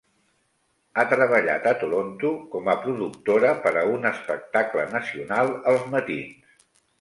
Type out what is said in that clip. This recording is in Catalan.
Ha treballat a Toronto com a productora per a un espectacle nacional els matins.